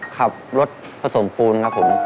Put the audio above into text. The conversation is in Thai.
ขับรถผสมพูเปิ้ลครับผม